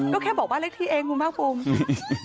ก็แค่บอกบ้านเลขที่เองคุณภาคภูมิ